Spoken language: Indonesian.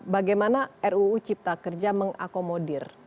bagaimana ruu cipta kerja mengakomodir